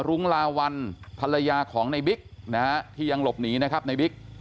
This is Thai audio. รุ้งลาวัลภรรยาของในบิ๊กนะฮะที่ยังหลบหนีนะครับในบิ๊ก